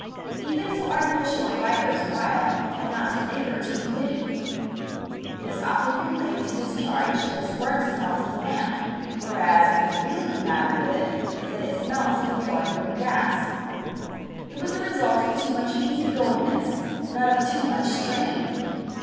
Even so artificial a writer as Wilde had not to labour to be witty. It has often been laid to his charge that his work smells of the lamp, whereas what is really the matter with it is that it smells of the drawing room gas. It was the result of too much "easy goingness," not of too much strain.